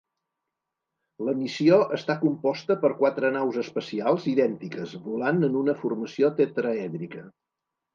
La missió està composta per quatre naus espacials idèntiques volant en una formació tetraèdrica.